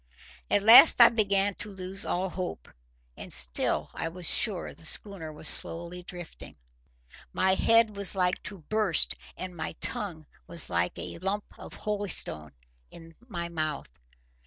At last I began to lose all hope. And still I was sure the schooner was slowly drifting. My head was like to burst, and my tongue was like a lump of holystone in my mouth.